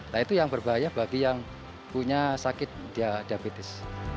nah itu yang berbahaya bagi yang punya sakit diabetes